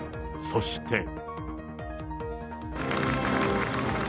そして。